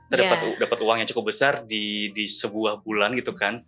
dapat uang yang cukup besar di sebuah bulan gitu kan